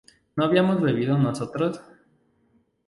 ¿no habíamos bebido nosotros?